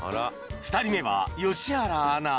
２人目は良原アナ